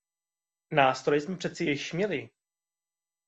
Nástroje jsme přece již měli.